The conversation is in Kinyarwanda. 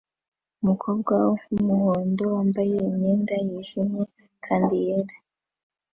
Umukobwa wumuhondo wambaye imyenda yijimye kandi yera